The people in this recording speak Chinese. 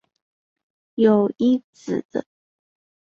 有一子。